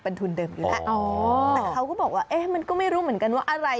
เป็นทุนเดิมอยู่แล้วแต่เขาก็บอกว่าเอ๊ะมันก็ไม่รู้เหมือนกันว่าอะไร